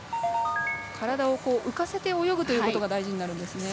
体を浮かせて泳ぐということが大事になるんですね。